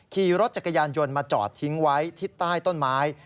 ขี่รถจักรยานยนต์มาจอดทิ้งไว้ที่ใต้ต้นไม้